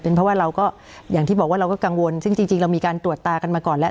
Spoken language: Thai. เพราะว่าเราก็อย่างที่บอกว่าเราก็กังวลซึ่งจริงเรามีการตรวจตากันมาก่อนแล้ว